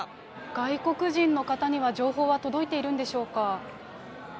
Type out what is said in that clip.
外国人の方には情報は届いているんでしょうか。